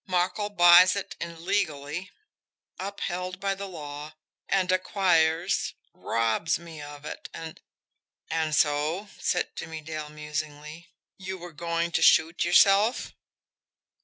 Markel buys it in legally, upheld by the law and acquires, ROBS me of it, and " "And so," said Jimmie Dale musingly, "you were going to shoot yourself?"